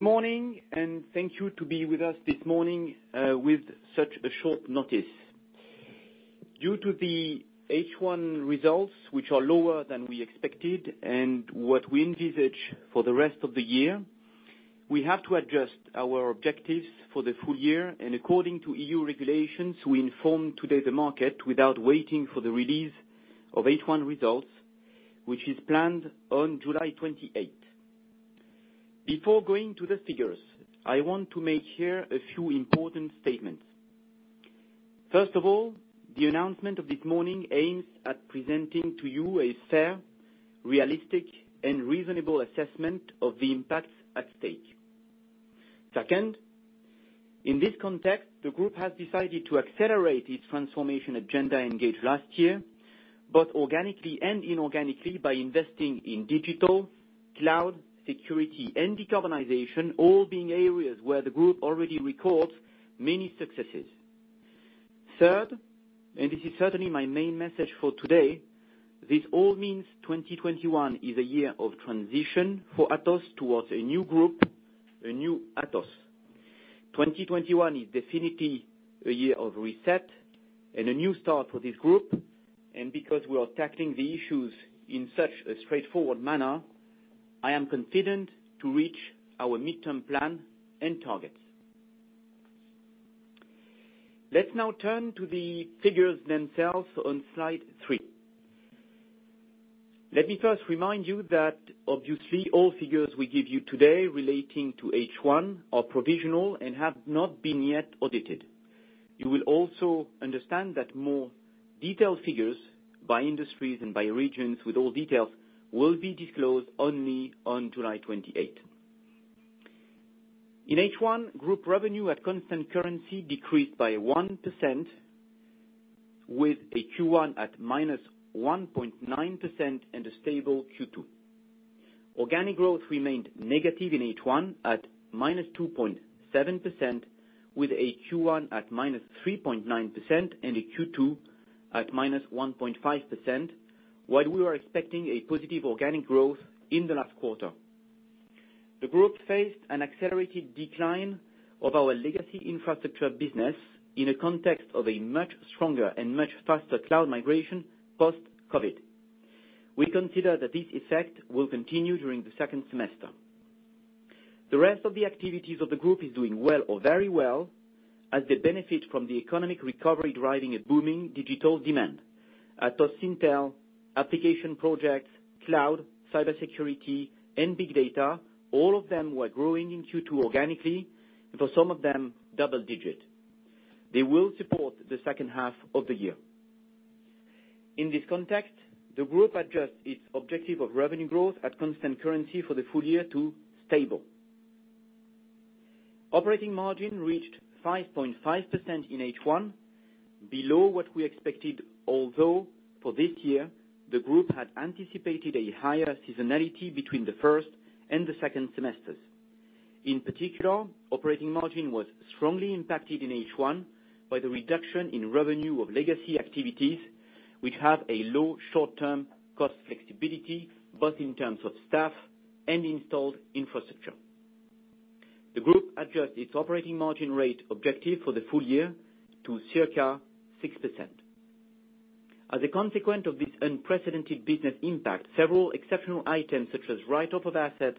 ...Good morning, and thank you to be with us this morning with such a short notice. Due to the H1 results, which are lower than we expected, and what we envisage for the rest of the year, we have to adjust our objectives for the full year, and according to EU regulations, we inform today the market without waiting for the release of H1 results, which is planned on July twenty-eighth. Before going to the figures, I want to make here a few important statements. First of all, the announcement of this morning aims at presenting to you a fair, realistic, and reasonable assessment of the impacts at stake. Second, in this context, the group has decided to accelerate its transformation agenda engaged last year, both organically and inorganically, by investing in digital, cloud, security, and decarbonization, all being areas where the group already records many successes. Third, and this is certainly my main message for today, this all means twenty twenty-one is a year of transition for Atos towards a new group, a new Atos. Twenty twenty-one is definitely a year of reset and a new start for this group, and because we are tackling the issues in such a straightforward manner, I am confident to reach our midterm plan and targets. Let's now turn to the figures themselves on slide three. Let me first remind you that, obviously, all figures we give you today relating to H1 are provisional and have not been yet audited. You will also understand that more detailed figures by industries and by regions with all details will be disclosed only on July twenty-eighth. In H1, group revenue at constant currency decreased by 1% with a Q1 at -1.9% and a stable Q2. Organic growth remained negative in H1 at minus 2.7%, with a Q1 at minus 3.9% and a Q2 at minus 1.5%, while we were expecting a positive organic growth in the last quarter. The group faced an accelerated decline of our legacy infrastructure business in a context of a much stronger and much faster cloud migration post-COVID. We consider that this effect will continue during the second semester. The rest of the activities of the group is doing well or very well as they benefit from the economic recovery, driving a booming digital demand. Atos Syntel, application projects, cloud, cybersecurity, and big data, all of them were growing in Q2 organically, and for some of them, double digit. They will support the second half of the year. In this context, the group adjusts its objective of revenue growth at constant currency for the full year to stable. Operating margin reached 5.5% in H1, below what we expected, although for this year, the group had anticipated a higher seasonality between the first and the second semesters. In particular, operating margin was strongly impacted in H1 by the reduction in revenue of legacy activities, which have a low short-term cost flexibility, both in terms of staff and installed infrastructure. The group adjusts its operating margin rate objective for the full year to circa 6%. As a consequence of this unprecedented business impact, several exceptional items, such as write-off of assets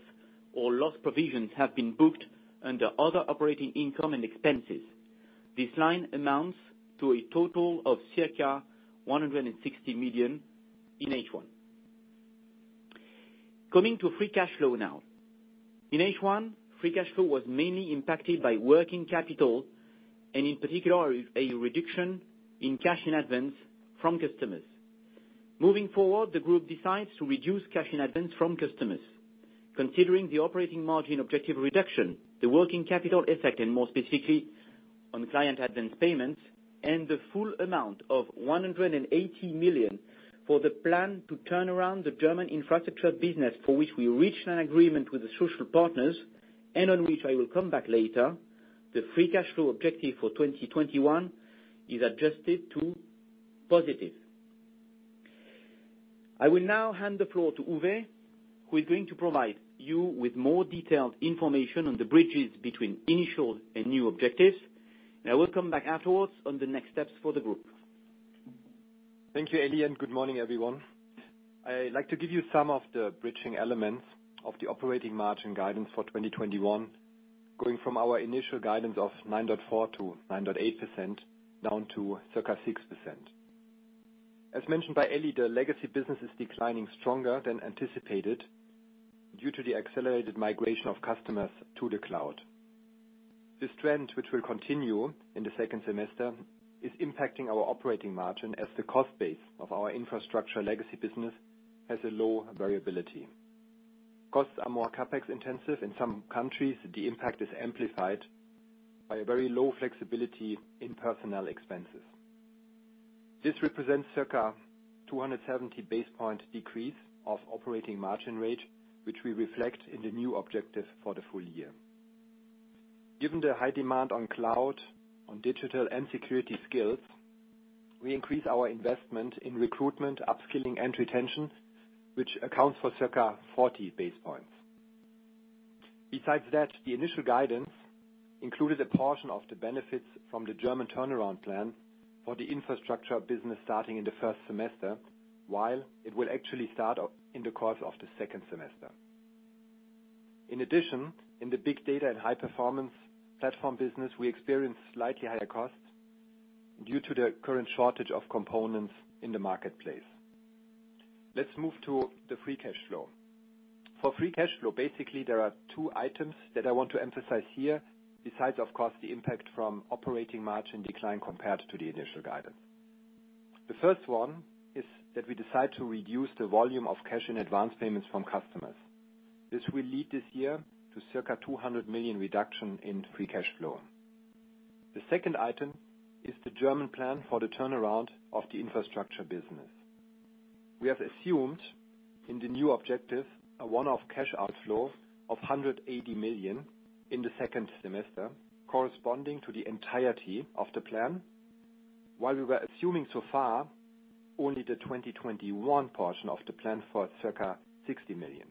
or loss provisions, have been booked under other operating income and expenses. This line amounts to a total of circa 160 million in H1. Coming to free cash flow now. In H1, free cash flow was mainly impacted by working capital and in particular, a reduction in cash in advance from customers. Moving forward, the group decides to reduce cash in advance from customers. Considering the operating margin objective reduction, the working capital effect, and more specifically on client advance payments, and the full amount of 180 million for the plan to turn around the German infrastructure business, for which we reached an agreement with the social partners, and on which I will come back later, the free cash flow objective for 2021 is adjusted to positive. I will now hand the floor to Uwe, who is going to provide you with more detailed information on the bridges between initial and new objectives, and I will come back afterwards on the next steps for the group. Thank you, Elie, and good morning, everyone. I'd like to give you some of the bridging elements of the operating margin guidance for twenty twenty-one, going from our initial guidance of 9.4%-9.8%, down to circa 6%. As mentioned by Elie, the legacy business is declining stronger than anticipated due to the accelerated migration of customers to the cloud. This trend, which will continue in the second semester, is impacting our operating margin as the cost base of our infrastructure legacy business has a low variability. Costs are more CapEx intensive. In some countries, the impact is amplified by a very low flexibility in personnel expenses. This represents circa 270 basis points decrease of operating margin rate, which we reflect in the new objective for the full year. Given the high demand on cloud, on digital and security skills, we increase our investment in recruitment, upskilling, and retention, which accounts for circa 40 basis points. Besides that, the initial guidance included a portion of the benefits from the German turnaround plan for the infrastructure business starting in the first semester, while it will actually start off in the course of the second semester. In addition, in the big data and high performance platform business, we experienced slightly higher costs due to the current shortage of components in the marketplace. Let's move to the free cash flow. For free cash flow, basically, there are two items that I want to emphasize here, besides, of course, the impact from operating margin decline compared to the initial guidance. The first one is that we decide to reduce the volume of cash in advance payments from customers. This will lead this year to circa €200 million reduction in free cash flow. The second item is the German plan for the turnaround of the infrastructure business. We have assumed in the new objective a one-off cash outflow of €180 million in the second semester, corresponding to the entirety of the plan, while we were assuming so far only the 2021 portion of the plan for circa €60 million.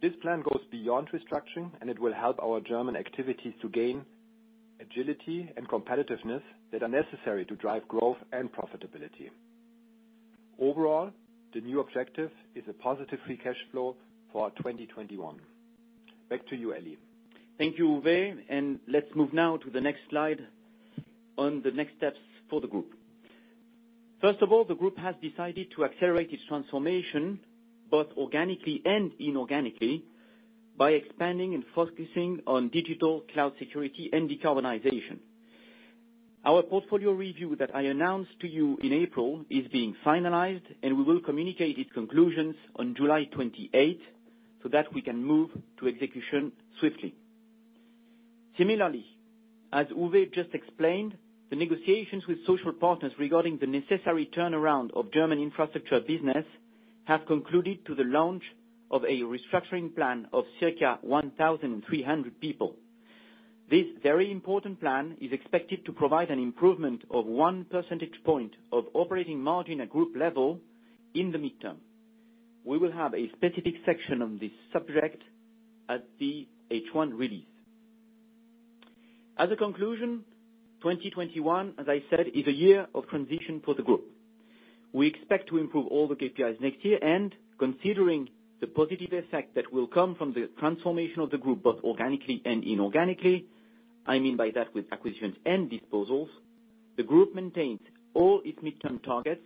This plan goes beyond restructuring, and it will help our German activities to gain agility and competitiveness that are necessary to drive growth and profitability. Overall, the new objective is a positive free cash flow for 2021. Back to you, Elie. Thank you, Uwe, and let's move now to the next slide on the next steps for the group. First of all, the group has decided to accelerate its transformation, both organically and inorganically, by expanding and focusing on digital cloud security and decarbonization. Our portfolio review that I announced to you in April is being finalized, and we will communicate its conclusions on July twenty-eight, so that we can move to execution swiftly. Similarly, as Uwe just explained, the negotiations with social partners regarding the necessary turnaround of German infrastructure business have concluded to the launch of a restructuring plan of circa one thousand three hundred people. This very important plan is expected to provide an improvement of one percentage point of operating margin at group level in the midterm. We will have a specific section on this subject at the H1 release. As a conclusion, 2021, as I said, is a year of transition for the group. We expect to improve all the KPIs next year, and considering the positive effect that will come from the transformation of the group, both organically and inorganically, I mean by that, with acquisitions and disposals, the group maintains all its midterm targets,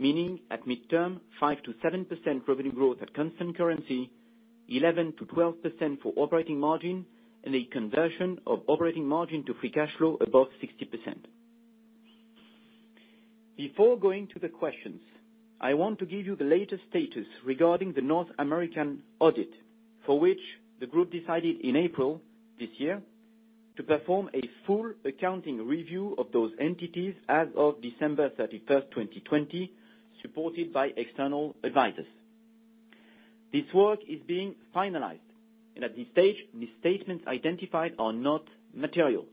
meaning at midterm, 5-7% revenue growth at constant currency, 11-12% for operating margin, and a conversion of operating margin to free cash flow above 60%. Before going to the questions, I want to give you the latest status regarding the North American audit, for which the group decided in April this year, to perform a full accounting review of those entities as of December 31, 2020, supported by external advisors. This work is being finalized, and at this stage, the statements identified are not material.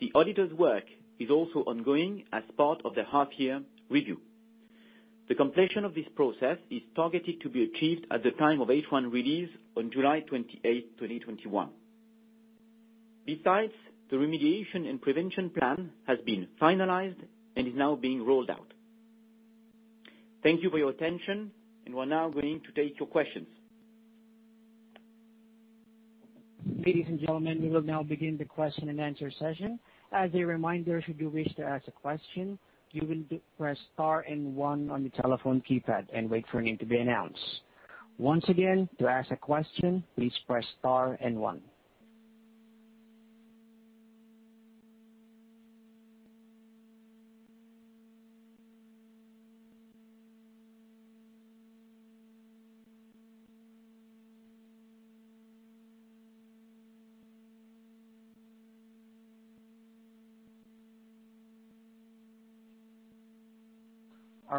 The auditor's work is also ongoing as part of the half-year review. The completion of this process is targeted to be achieved at the time of H1 release on July 28, 2021. Besides, the remediation and prevention plan has been finalized and is now being rolled out. Thank you for your attention, and we're now going to take your questions. Ladies and gentlemen, we will now begin the question and answer session. As a reminder, should you wish to ask a question, you will press star and one on your telephone keypad and wait for your name to be announced. Once again, to ask a question, please press star and one.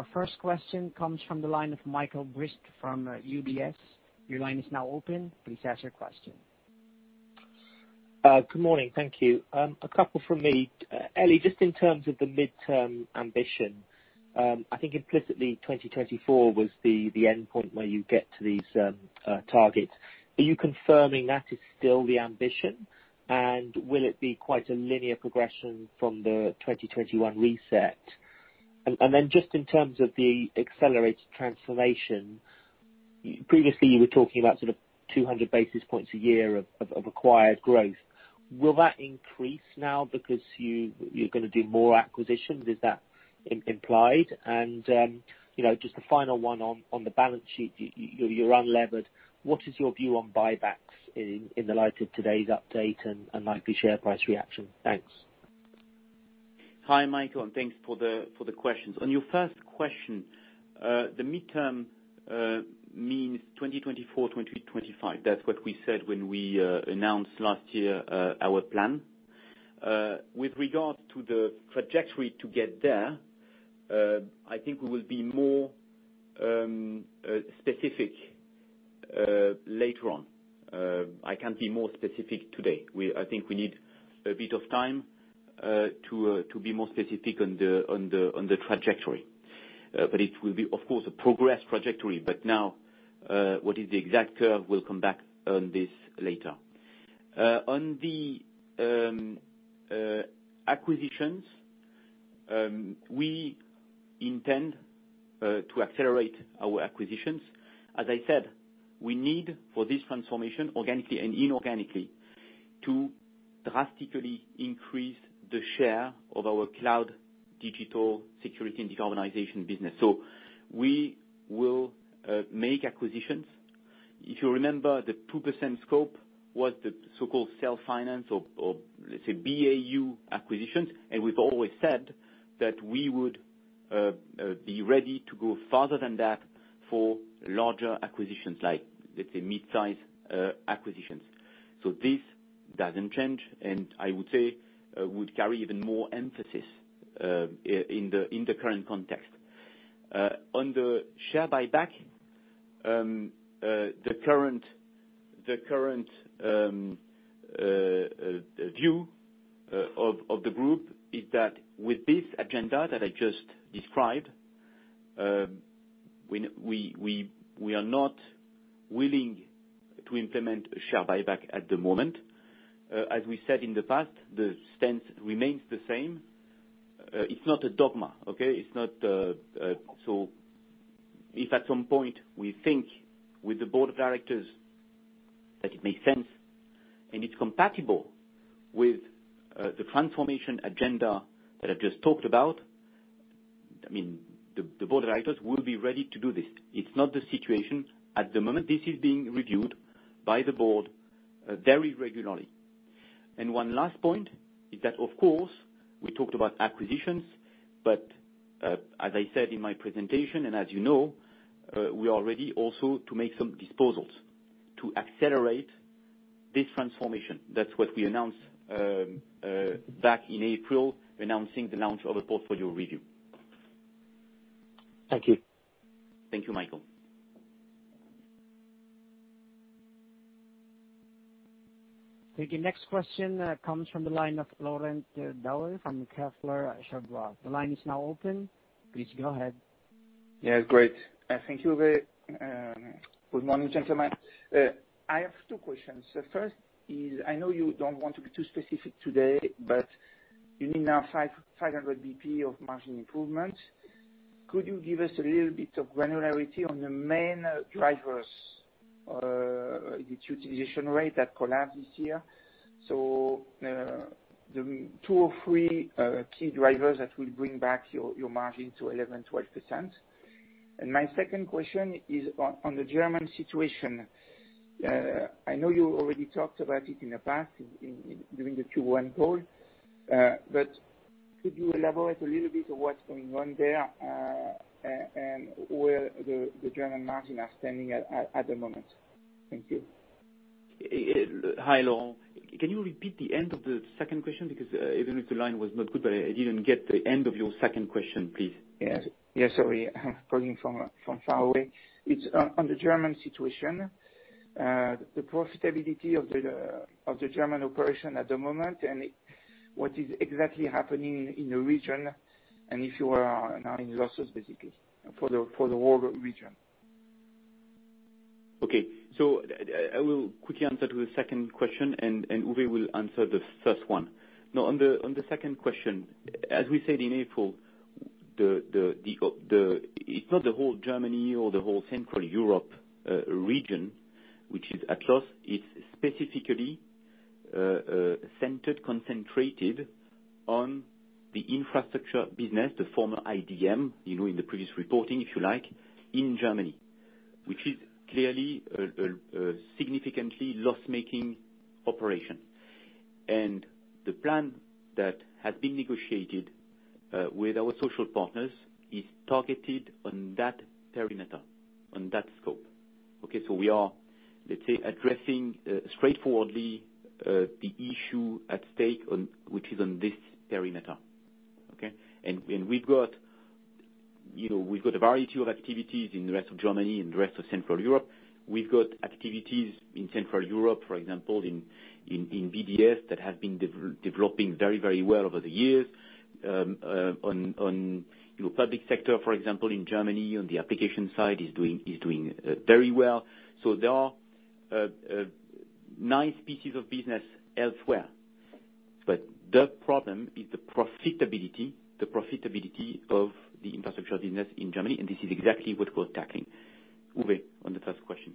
Our first question comes from the line of Michael Briest from UBS. Your line is now open. Please ask your question. Good morning. Thank you. A couple from me. Elie, just in terms of the midterm ambition, I think implicitly twenty twenty-four was the endpoint where you get to these targets. Are you confirming that is still the ambition? And will it be quite a linear progression from the twenty twenty-one reset? And then just in terms of the accelerated transformation, previously, you were talking about sort of two hundred basis points a year of acquired growth. Will that increase now because you're gonna do more acquisitions, is that implied? And you know, just a final one on the balance sheet, you're unlevered. What is your view on buybacks in the light of today's update and likely share price reaction? Thanks. Hi, Michael, and thanks for the questions. On your first question, the midterm means twenty twenty-four, twenty twenty-five. That's what we said when we announced last year our plan. With regard to the trajectory to get there, I think we will be more specific later on. I can't be more specific today. I think we need a bit of time to be more specific on the trajectory. But it will be, of course, a progress trajectory. But now, what is the exact curve, we'll come back on this later. On the acquisitions, we intend to accelerate our acquisitions. As I said, we need, for this transformation, organically and inorganically, to drastically increase the share of our cloud, digital, security, and decarbonization business. So we will make acquisitions. If you remember, the 2% scope was the so-called self-finance or let's say, BAU acquisitions, and we've always said that we would be ready to go farther than that for larger acquisitions, like, let's say, mid-size acquisitions. So this doesn't change, and I would say would carry even more emphasis in the current context. On the share buyback, the current view of the group is that with this agenda that I just described, we are not willing to implement a share buyback at the moment. As we said in the past, the stance remains the same. It's not a dogma, okay? It's not... So if at some point we think with the board of directors that it makes sense, and it's compatible with the transformation agenda that I've just talked about, I mean, the board of directors will be ready to do this. It's not the situation at the moment. This is being reviewed by the board very regularly, and one last point is that, of course, we talked about acquisitions, but as I said in my presentation, and as you know, we are ready also to make some disposals to accelerate this transformation. That's what we announced back in April, announcing the launch of a portfolio review. Thank you. Thank you, Michael. Thank you. Next question comes from the line of Laurent Daure from Kepler Cheuvreux. The line is now open. Please go ahead. Yeah, great. Thank you, Uwe. Good morning, gentlemen. I have two questions. The first is, I know you don't want to be too specific today, but you need now 500 basis points of margin improvement. Could you give us a little bit of granularity on the main drivers, the utilization rate that collapsed this year? So, the two or three key drivers that will bring back your margin to 11%-12%. And my second question is on the German situation. I know you already talked about it in the past, during the Q1 call, but could you elaborate a little bit on what's going on there, and where the German margins are standing at the moment? Thank you. Hi, Laurent. Can you repeat the end of the second question? Because, even if the line was not good, but I didn't get the end of your second question, please. Yes. Yes, sorry. I'm calling from far away. It's on the German situation, the profitability of the German operation at the moment, and what is exactly happening in the region, and if you are now in losses, basically, for the whole region? Okay. So I will quickly answer to the second question, and Uwe will answer the first one. Now, on the second question, as we said in April, it's not the whole Germany or the whole Central Europe region, which is at loss. It's specifically centered, concentrated on the infrastructure business, the former IDM, you know, in the previous reporting, if you like, in Germany, which is clearly a significantly loss-making operation. And the plan that has been negotiated with our social partners is targeted on that perimeter, on that scope. Okay, so we are, let's say, addressing straightforwardly the issue at stake on, which is on this perimeter. Okay? And we've got, you know, a variety of activities in the rest of Germany and the rest of Central Europe. We've got activities in Central Europe, for example, in BDS, that have been developing very, very well over the years. On, you know, public sector, for example, in Germany, on the application side, is doing very well. So there are nice pieces of business elsewhere, but the problem is the profitability, the profitability of the infrastructure business in Germany, and this is exactly what we're tackling. Uwe, on the first question.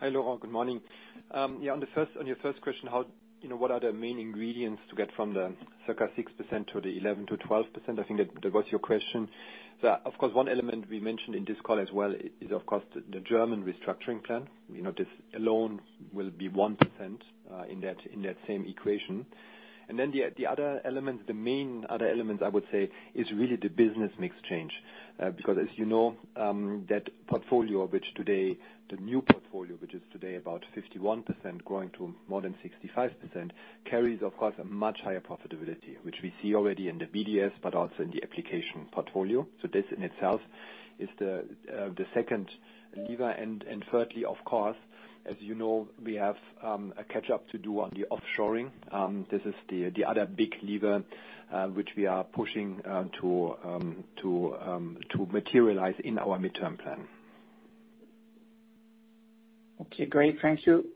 Hi, Laurent, good morning.... on the first, on your first question, how, you know, what are the main ingredients to get from the circa 6% to the 11%-12%? I think that, that was your question. So, of course, one element we mentioned in this call as well is, of course, the German restructuring plan. You know, this alone will be 1%, in that same equation. And then the other element, the main other element, I would say, is really the business mix change, because as you know, that portfolio which today, the new portfolio, which is today about 51% growing to more than 65%, carries, of course, a much higher profitability, which we see already in the BDS, but also in the application portfolio. So this in itself is the second lever. Thirdly, of course, as you know, we have a catch-up to do on the offshoring. This is the other big lever which we are pushing to materialize in our midterm plan. Okay, great. Thank you.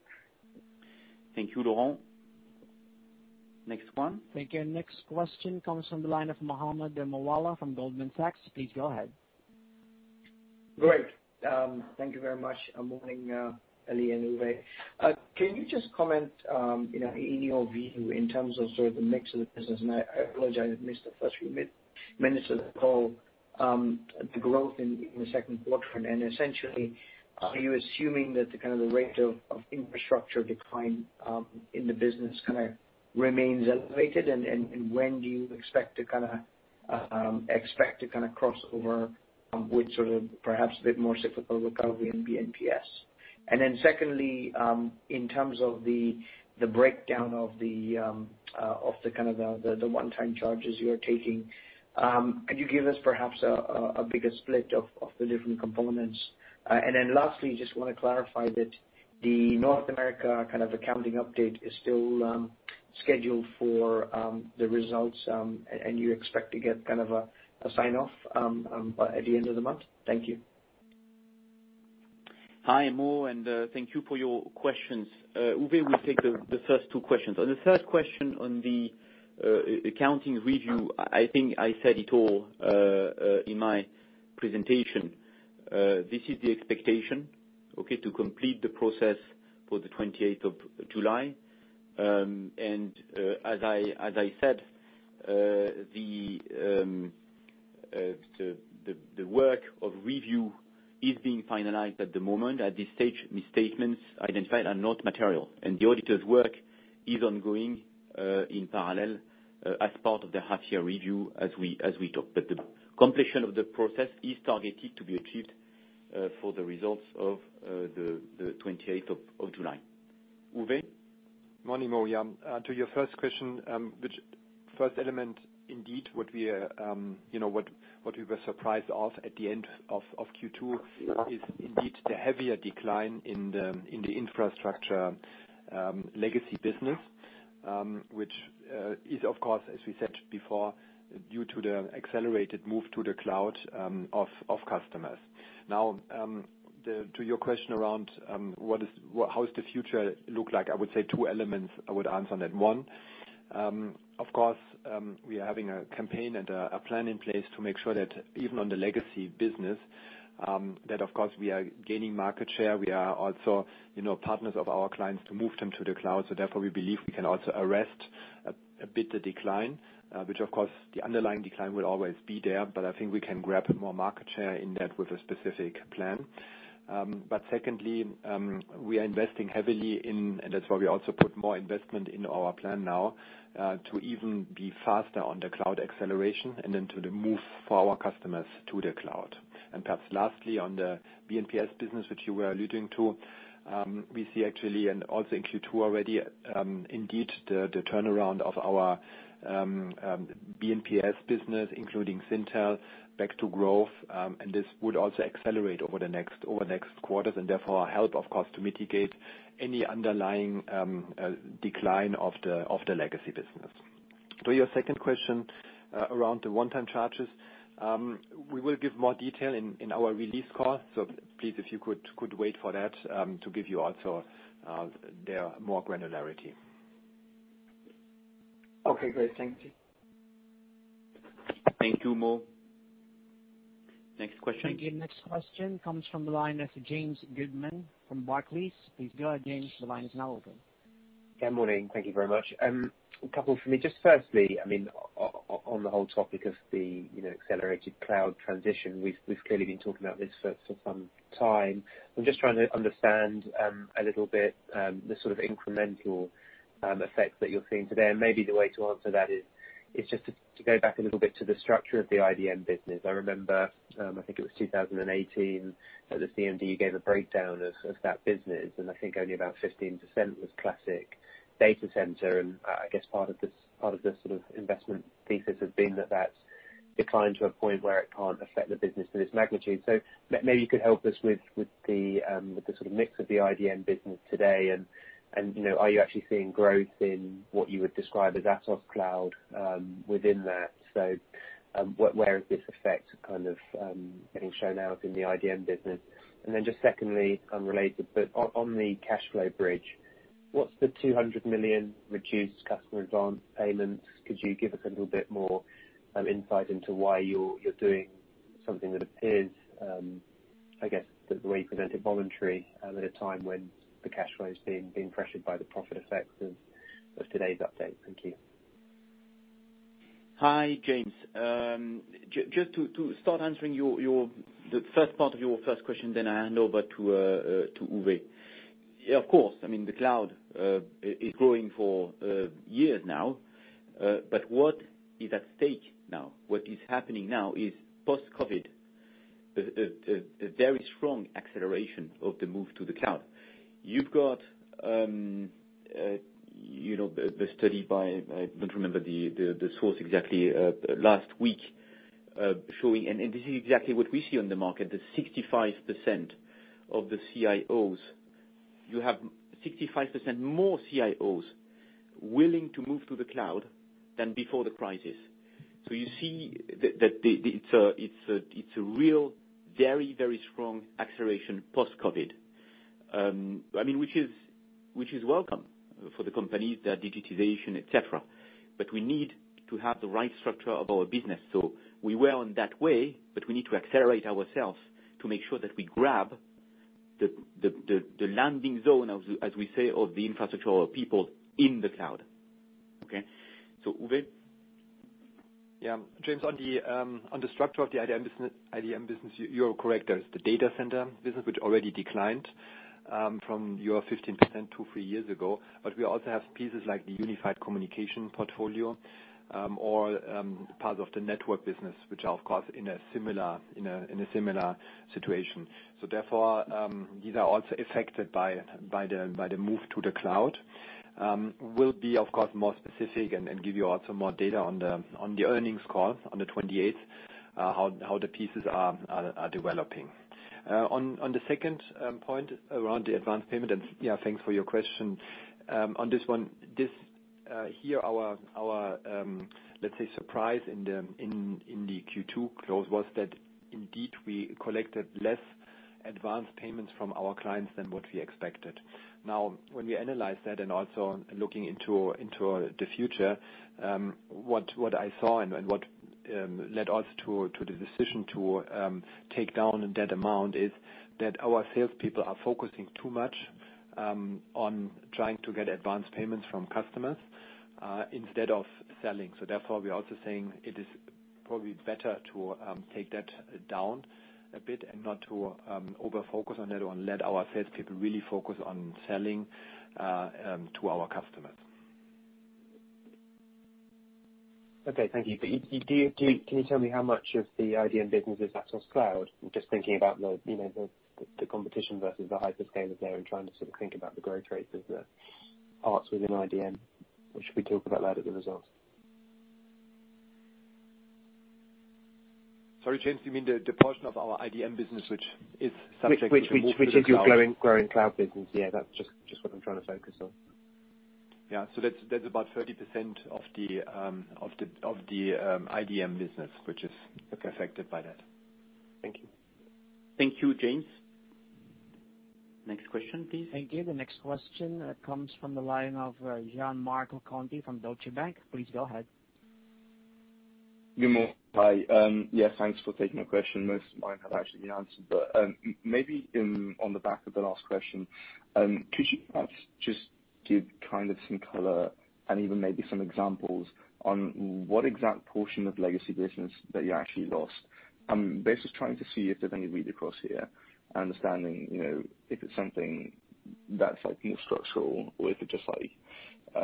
Thank you, Laurent. Next one. Thank you. Next question comes from the line of Mohammed Moawalla from Goldman Sachs. Please go ahead. Great. Thank you very much. Good morning, Elie and Uwe. Can you just comment, you know, in your view, in terms of sort of the mix of the business, and I apologize, I missed the first few minutes of the call, the growth in the second quarter. And essentially, are you assuming that the kind of the rate of infrastructure decline in the business kind of remains elevated? And when do you expect to kind of cross over with sort of perhaps a bit more cyclical recovery in BNPS? And then secondly, in terms of the breakdown of the kind of the one-time charges you are taking, could you give us perhaps a bigger split of the different components? And then lastly, just want to clarify that the North America kind of accounting update is still scheduled for the results, and you expect to get kind of a sign-off at the end of the month? Thank you. Hi, Mo, and thank you for your questions. Uwe will take the first two questions. On the first question on the accounting review, I think I said it all in my presentation. This is the expectation, okay, to complete the process for the twenty-eighth of July. And as I said, the work of review is being finalized at the moment. At this stage, misstatements identified are not material, and the auditor's work is ongoing in parallel as part of the half year review, as we talked, but the completion of the process is targeted to be achieved for the results of the twenty-eighth of July. Uwe? Morning, Mo, yeah. To your first question, which first element, indeed, what we are, you know, what we were surprised of at the end of Q2 is indeed the heavier decline in the infrastructure legacy business, which is, of course, as we said before, due to the accelerated move to the cloud of customers. Now, to your question around how does the future look like? I would say two elements, I would answer on that. One, of course, we are having a campaign and a plan in place to make sure that even on the legacy business, that, of course, we are gaining market share. We are also, you know, partners of our clients to move them to the cloud. So therefore, we believe we can also arrest a bit the decline, which of course, the underlying decline will always be there, but I think we can grab more market share in that with a specific plan. But secondly, we are investing heavily in, and that's why we also put more investment in our plan now, to even be faster on the cloud acceleration and then to the move for our customers to the cloud. And perhaps lastly, on the BNPS business that you were alluding to, we see actually, and also in Q2 already, indeed, the turnaround of our BNPS business, including Syntel, back to growth, and this would also accelerate over the next quarters, and therefore help, of course, to mitigate any underlying decline of the legacy business. To your second question, around the one-time charges, we will give more detail in our release call, so please, if you could wait for that, to give you also the more granularity. Okay, great. Thank you. Thank you, Mo. Next question. Thank you. Next question comes from the line of James Goodman from Barclays. Please go ahead, James. The line is now open. Good morning. Thank you very much. A couple from me. Just firstly, I mean, on the whole topic of the, you know, accelerated cloud transition, we've clearly been talking about this for some time. I'm just trying to understand a little bit the sort of incremental effects that you're seeing today. And maybe the way to answer that is just to go back a little bit to the structure of the IDM business. I remember, I think it was 2018, at the CMD, you gave a breakdown of that business, and I think only about 15% was classic data center. And I guess part of this sort of investment thesis has been that that's declined to a point where it can't affect the business to this magnitude. So maybe you could help us with the sort of mix of the IDM business today, and you know, are you actually seeing growth in what you would describe as Atos cloud within that? What, where is this effect kind of getting shown out in the IDM business? And then just secondly, unrelated, but on the cash flow bridge, what's the 200 million reduced customer advance payments? Could you give us a little bit more insight into why you're doing this? Something that appears, I guess, the way you present it, voluntary, at a time when the cash flow is being pressured by the profit effects of today's update? Thank you. Hi, James. Just to start answering the first part of your first question, then I'll hand over to Uwe. Yeah, of course, I mean, the cloud is growing for years now. But what is at stake now, what is happening now, is post-COVID a very strong acceleration of the move to the cloud. You've got you know the study by, I don't remember the source exactly, last week showing, and this is exactly what we see on the market, that 65% of the CIOs. You have 65% more CIOs willing to move to the cloud than before the crisis. So you see that it's a real very very strong acceleration post-COVID. I mean, which is, which is welcome for the companies, their digitization, et cetera, but we need to have the right structure of our business. So we were on that way, but we need to accelerate ourselves to make sure that we grab the landing zone, as we say, of the infrastructure people in the cloud. Okay? So Uwe? Yeah. James, on the structure of the IDM business, you're correct. There is the data center business, which already declined from your 15% two, three years ago. But we also have pieces like the unified communication portfolio, or part of the network business, which are, of course, in a similar situation. So therefore, these are also affected by the move to the cloud. We'll be, of course, more specific and give you also more data on the earnings call on the twenty-eighth, how the pieces are developing. On the second point around the advance payment, and yeah, thanks for your question. On this one, here, our let's say surprise in the Q2 close was that indeed, we collected less advance payments from our clients than what we expected. Now, when we analyze that and also looking into the future, what I saw and what led us to the decision to take down that amount, is that our salespeople are focusing too much on trying to get advance payments from customers instead of selling. So therefore, we're also saying it is probably better to take that down a bit and not to over-focus on that, and let our salespeople really focus on selling to our customers. Okay, thank you. But do you, can you tell me how much of the IDM business is Atos Cloud? I'm just thinking about the, you know, the competition versus the hyperscalers there and trying to sort of think about the growth rates of the parts within IDM. Or should we talk about that with the results? Sorry, James, you mean the portion of our IDM business, which is subject to- Which is your growing cloud business? Yeah, that's just what I'm trying to focus on. Yeah. So that's about 30% of the IDM business, which is affected by that. Thank you. Thank you, James. Next question, please. Thank you. The next question comes from the line of Gianmarco Conti from Deutsche Bank. Please go ahead. Good morning. Hi. Yeah, thanks for taking my question. Most of mine have actually been answered, but maybe in, on the back of the last question, could you perhaps just give kind of some color and even maybe some examples on what exact portion of legacy business that you actually lost? I'm basically trying to see if there's any read across here, understanding, you know, if it's something that's like more structural or if it's just like,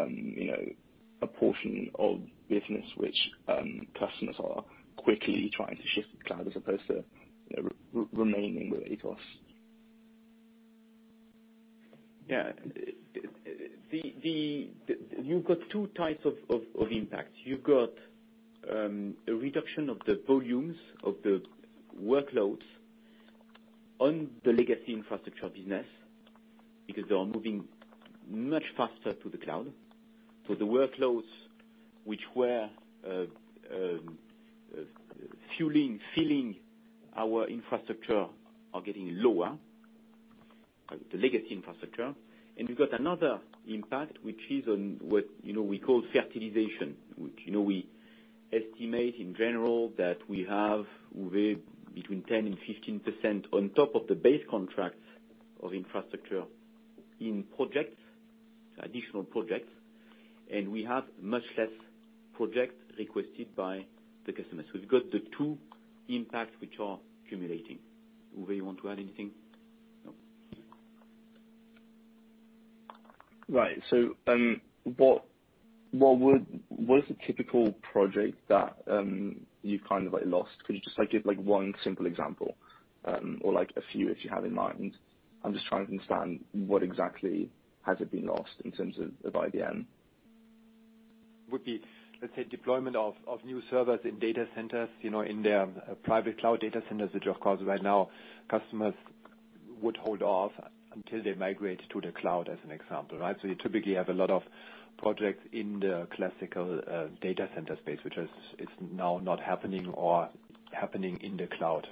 you know, a portion of business which customers are quickly trying to shift to cloud as opposed to remaining with Atos. Yeah. The you've got two types of impact. You've got a reduction of the volumes of the workloads on the legacy infrastructure business, because they are moving much faster to the cloud. So the workloads which were fueling our infrastructure are getting lower, the legacy infrastructure. And we've got another impact, which is on what, you know, we call utilization, which, you know, we estimate in general that we have between 10% and 15% on top of the base contracts of infrastructure in projects, additional projects, and we have much less projects requested by the customers. So we've got the two impacts which are accumulating. Uwe, you want to add anything? No. Right. So, what is the typical project that you've kind of, like, lost? Could you just, like, give, like, one simple example, or, like, a few if you have in mind? I'm just trying to understand what exactly has it been lost in terms of IDM. Would be, let's say, deployment of new servers in data centers, you know, in their private cloud data centers, which of course, right now, customers would hold off until they migrate to the cloud, as an example, right? So you typically have a lot of projects in the classical data center space, which is now not happening or happening in the cloud.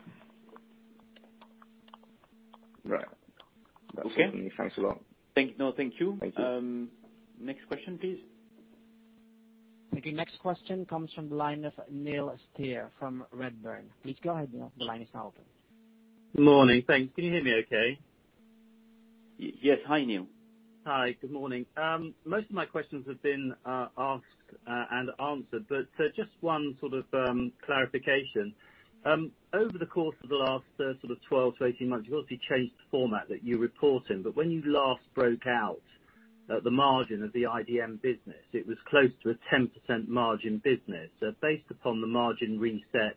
Right. Okay, thanks a lot. No, thank you. Thank you. Next question, please. Thank you. Next question comes from the line of Neil Steer from Redburn. Please go ahead, Neil. The line is now open. Good morning, thanks. Can you hear me okay? Yes. Hi, Neil. Hi, good morning. Most of my questions have been asked and answered, but so just one sort of clarification. Over the course of the last sort of 12-18 months, you've obviously changed the format that you report in, but when you last broke out the margin of the IDM business, it was close to a 10% margin business. So based upon the margin reset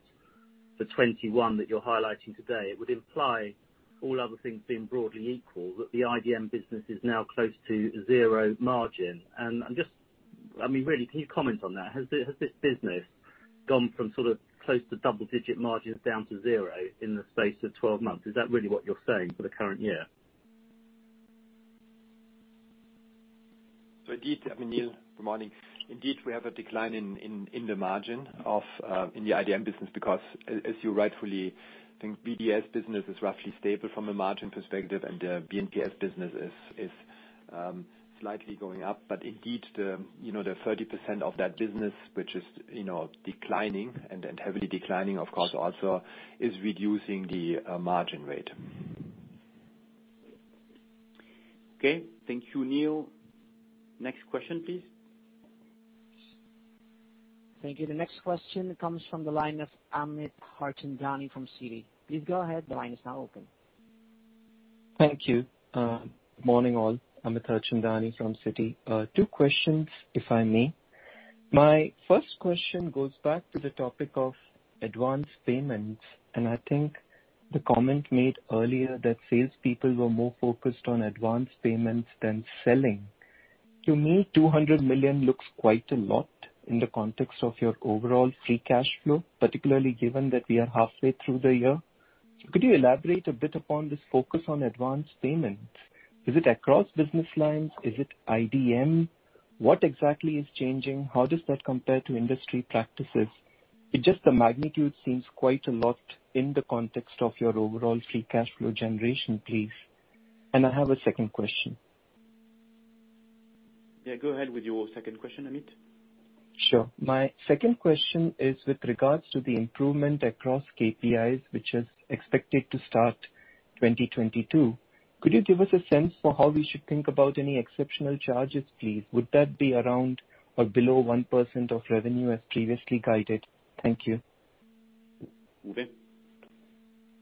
for 2021 that you're highlighting today, it would imply, all other things being broadly equal, that the IDM business is now close to zero margin. And I'm just, I mean, really, can you comment on that? Has this business gone from sort of close to double-digit margins down to zero in the space of 12 months? Is that really what you're saying for the current year? So indeed, I mean, Neil, good morning. Indeed, we have a decline in the margin of the IDM business, because as you rightfully think, BDS business is roughly stable from a margin perspective, and the BNPS business is slightly going up. But indeed, you know, the 30% of that business, which is, you know, declining and heavily declining, of course, also is reducing the margin rate. Okay. Thank you, Neil. Next question, please. Thank you. The next question comes from the line of Amit Harchandani from Citi. Please go ahead, the line is now open. Thank you. Morning, all. Amit Harchandani from Citi. Two questions, if I may. My first question goes back to the topic of advance payments, and I think the comment made earlier that salespeople were more focused on advance payments than selling. To me, 200 million looks quite a lot in the context of your overall free cash flow, particularly given that we are halfway through the year. Could you elaborate a bit upon this focus on advance payments? Is it across business lines? Is it IDM? What exactly is changing? How does that compare to industry practices? It's just the magnitude seems quite a lot in the context of your overall free cash flow generation, please. And I have a second question. Yeah, go ahead with your second question, Amit. Sure. My second question is with regards to the improvement across KPIs, which is expected to start twenty twenty-two. Could you give us a sense for how we should think about any exceptional charges, please? Would that be around or below 1% of revenue as previously guided? Thank you. Uwe?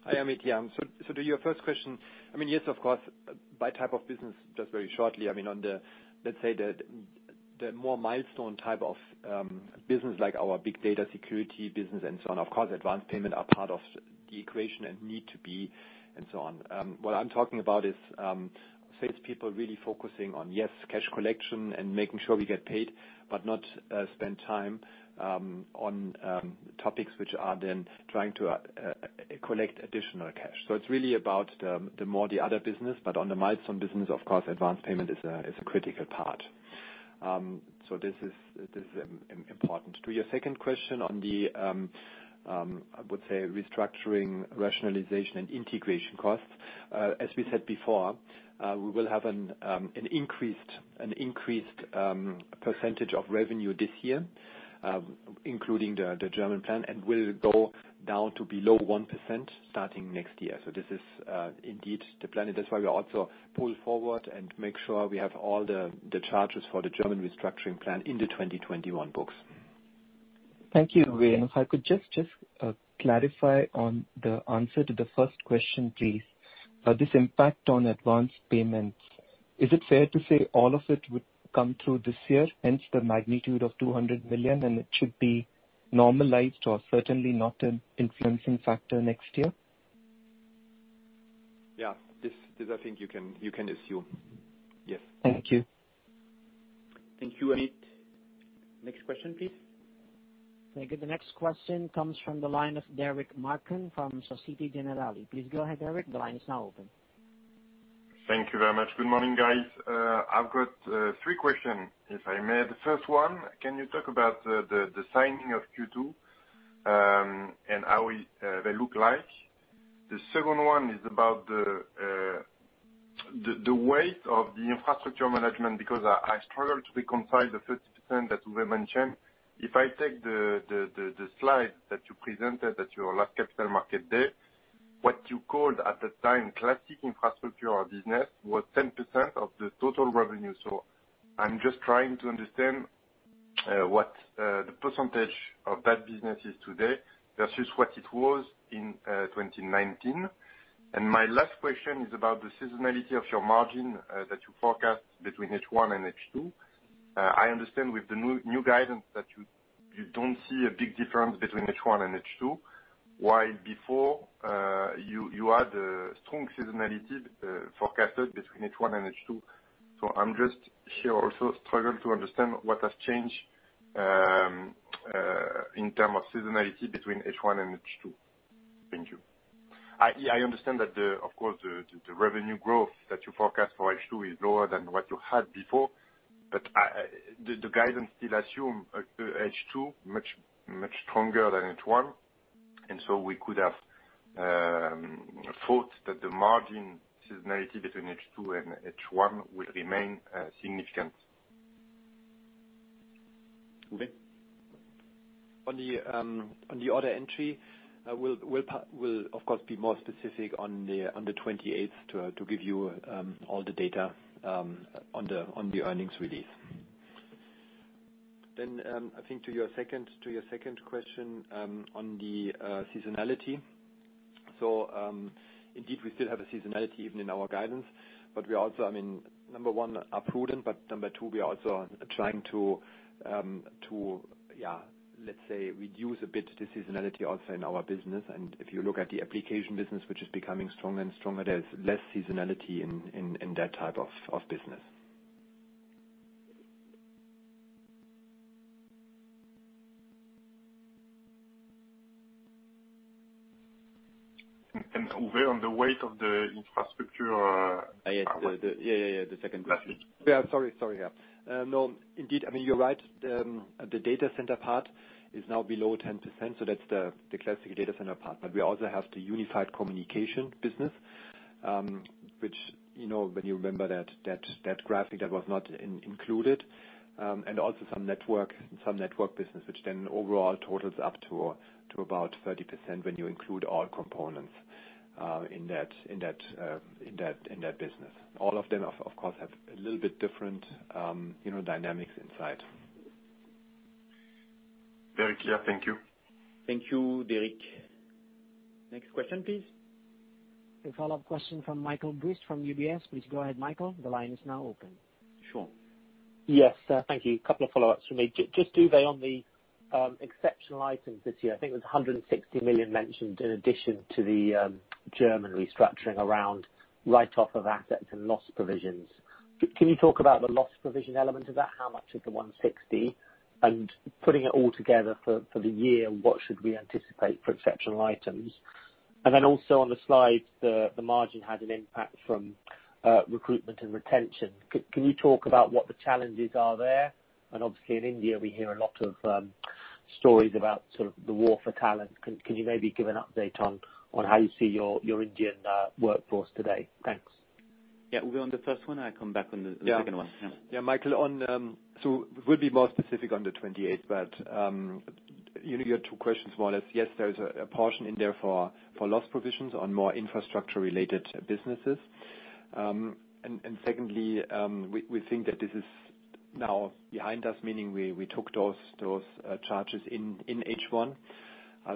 Hi, Amit. Yeah, so to your first question, I mean, yes, of course, by type of business, just very shortly, I mean, on the, let's say, the more milestone type of business, like our big data security business and so on, of course, advance payments are part of the equation and need to be, and so on. What I'm talking about is, salespeople really focusing on, yes, cash collection and making sure we get paid, but not spend time, on topics which are then trying to collect additional cash. So it's really about the more the other business, but on the milestone business, of course, advance payment is a critical part. So this is important. To your second question on the, I would say, restructuring, rationalization, and integration costs, as we said before, we will have an increased percentage of revenue this year, including the German plan, and will go down to below 1% starting next year. So this is indeed the plan, and that's why we also pull forward and make sure we have all the charges for the German restructuring plan in the 2021 books. Thank you, Uwe. If I could clarify on the answer to the first question, please. This impact on advance payments, is it fair to say all of it would come through this year, hence the magnitude of 200 million, and it should be normalized or certainly not an influencing factor next year? Yeah. This, I think you can assume. Yes. Thank you. Thank you, Amit. Next question, please. Thank you. The next question comes from the line of Derric Marcon from Société Générale. Please go ahead, Derric, the line is now open. Thank you very much. Good morning, guys. I've got three questions, if I may. The first one, can you talk about the signing of Q2, and how they look like? The second one is about the weight of the infrastructure management, because I struggle to reconcile the 30% that we mentioned. If I take the slide that you presented at your last capital market day, what you called at the time classic infrastructure or business, was 10% of the total revenue. So I'm just trying to understand what the percentage of that business is today versus what it was in 2019. And my last question is about the seasonality of your margin that you forecast between H1 and H2. I understand with the new guidance that you don't see a big difference between H1 and H2, while before, you had a strong seasonality forecasted between H1 and H2. So I'm just here also struggling to understand what has changed in terms of seasonality between H1 and H2. Thank you. I understand that, of course, the revenue growth that you forecast for H2 is lower than what you had before. But the guidance still assume H2 much stronger than H1, and so we could have thought that the margin seasonality between H2 and H1 will remain significant. Okay. On the order entry, we'll of course be more specific on the twenty-eighth to give you all the data on the earnings release. I think to your second question on the seasonality, so indeed, we still have a seasonality even in our guidance, but we also, I mean, number one, are prudent, but number two, we are also trying to, yeah, let's say, reduce a bit the seasonality also in our business, and if you look at the application business, which is becoming stronger and stronger, there's less seasonality in that type of business. Uwe, on the weight of the infrastructure, Ah, yes. Sorry. Yeah, yeah, yeah, the second question. That's it. Yeah. Sorry, sorry, yeah. No, indeed, I mean, you're right. The data center part is now below 10%, so that's the classic data center part. But we also have the unified communication business, which, you know, when you remember that graphic that was not included, and also some network business, which then overall totals up to about 30% when you include all components in that business. All of them, of course, have a little bit different, you know, dynamics inside. Very clear. Thank you. Thank you, Derric. Next question, please. A follow-up question from Michael Briest from UBS. Please go ahead, Michael. The line is now open. Sure. Yes, thank you. A couple of follow-ups for me. Just Uwe, on the exceptional items this year, I think it was €160 million mentioned in addition to the German restructuring around write-off of assets and loss provisions. Can you talk about the loss provision element of that? How much is the €160, and putting it all together for the year, what should we anticipate for exceptional items? And then also on the slides, the margin had an impact from recruitment and retention. Can you talk about what the challenges are there? And obviously, in India, we hear a lot of stories about sort of the war for talent. Can you maybe give an update on how you see your Indian workforce today? Thanks. Yeah, Uwe, on the first one, I come back on the second one. Yeah. Yeah, Michael, on, so we'll be more specific on the twenty-eighth, but, you know, your two questions, one is, yes, there's a portion in there for loss provisions on more infrastructure-related businesses. And secondly, we think that this is now behind us, meaning we took those charges in H1.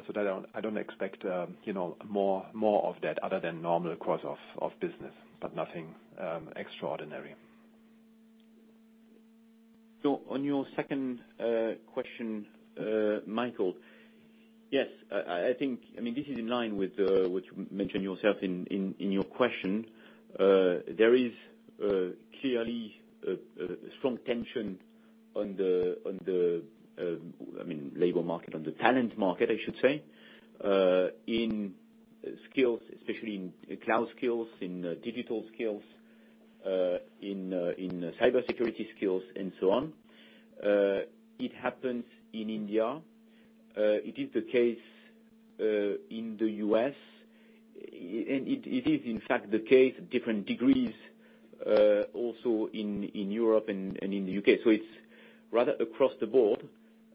So I don't expect, you know, more of that other than normal course of business, but nothing extraordinary. So on your second question, Michael, yes, I think. I mean, this is in line with what you mentioned yourself in your question. There is clearly a strong tension on the labor market, on the talent market, I should say, in skills, especially in cloud skills, in digital skills, in cybersecurity skills, and so on. It happens in India. It is the case in the US, and it is, in fact, the case, different degrees, also in Europe and in the UK. So it's rather across the board,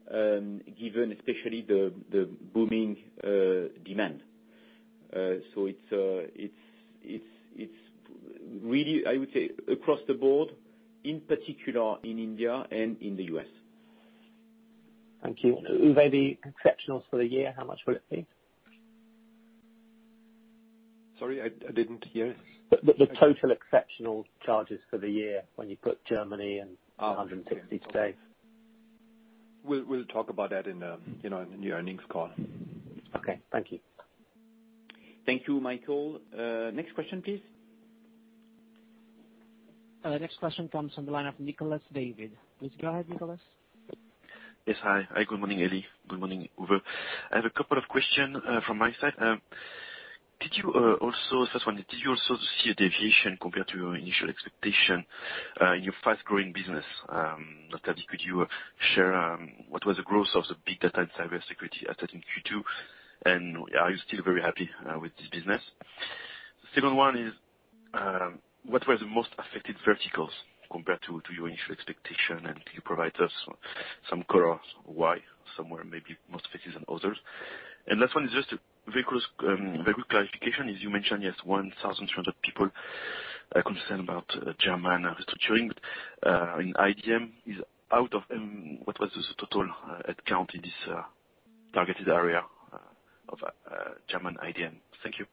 given especially the booming demand. So it's really, I would say, across the board, in particular in India and in the US. Thank you. Uwe, the exceptionals for the year, how much will it be? Sorry, I didn't hear. The total exceptional charges for the year, when you put Germany and 160 to date. We'll talk about that in, you know, in the earnings call. Okay. Thank you. Thank you, Michael. Next question, please. Next question comes on the line of Nicolas David. Please go ahead, Nicolas. Yes, hi. Hi, good morning, Elie. Good morning, Uwe. I have a couple of question from my side. Did you also see a deviation compared to your initial expectation in your fast-growing business? Not only could you share what was the growth of the big data and cybersecurity asset in Q2, and are you still very happy with this business? Second one is what were the most affected verticals compared to your initial expectation? And can you provide us some color on why some were maybe more affected than others? And last one is just a very close, very quick clarification, as you mentioned, yes, 1,300 people are concerned about German restructuring. In IDM is out of what was the total head count in this targeted area of German IDM? Thank you.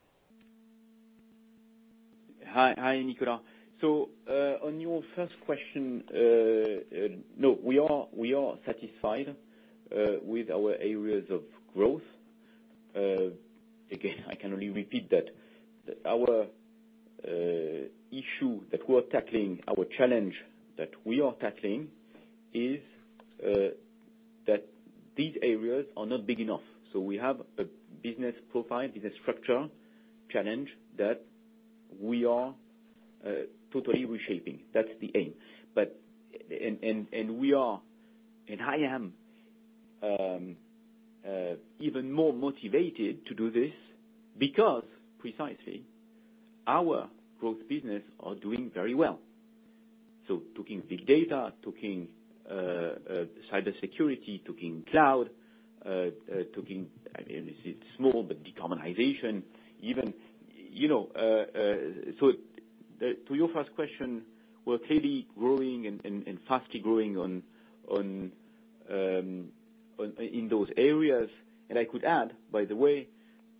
Hi. Hi, Nicolas. So, on your first question, no, we are satisfied with our areas of growth. Again, I can only repeat that our issue that we're tackling, our challenge that we are tackling is... that these areas are not big enough. So we have a business profile, business structure challenge that we are totally reshaping. That's the aim. But and, and, and we are, and I am even more motivated to do this because precisely, our growth business are doing very well. So taking big data, taking cybersecurity, taking cloud, taking, I mean, this is small, but decarbonization even, you know, so the-- to your first question, we're clearly growing and, and, and faster growing on, on, on, in those areas. And I could add, by the way,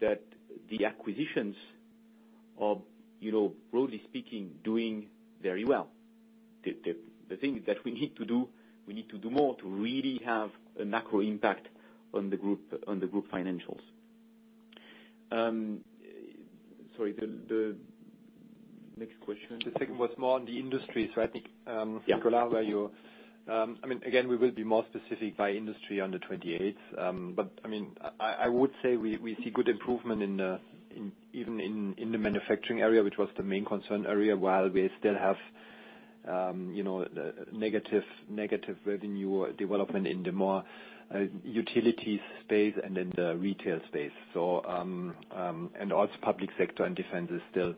that the acquisitions are, you know, broadly speaking, doing very well. The, the, the thing that we need to do, we need to do more to really have a macro impact on the group, on the group financials. Sorry, the, the next question? The second was more on the industry, so I think. Yeah. Nicolas, I mean, again, we will be more specific by industry on the twenty-eighth, but I mean, I would say we see good improvement in even in the manufacturing area, which was the main concern area, while we still have, you know, negative revenue development in the more utility space and in the retail space. So, and also public sector and defense is still,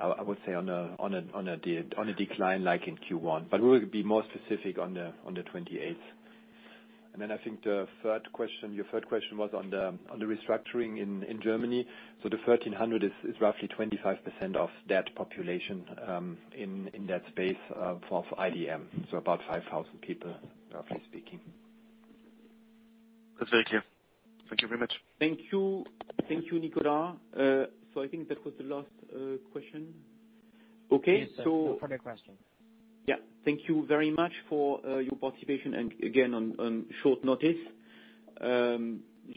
I would say, on a decline like in Q1, but we will be more specific on the twenty-eighth, and then I think the third question, your third question was on the restructuring in Germany. So the 1,300 is roughly 25% of that population, in that space, for IDM, so about 5,000 people, roughly speaking. That's very clear. Thank you very much. Thank you. Thank you, Nicolas. So I think that was the last question. Okay, so- Yes, no further question. Yeah. Thank you very much for your participation and again, on short notice.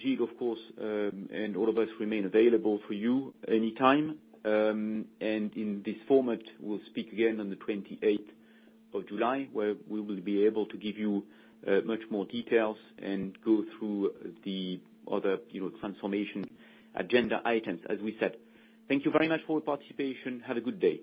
Gilles, of course, and all of us remain available for you anytime. And in this format, we'll speak again on the twenty-eighth of July, where we will be able to give you much more details and go through the other, you know, transformation agenda items, as we said. Thank you very much for your participation. Have a good day.